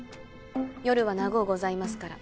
夜は長うございますから。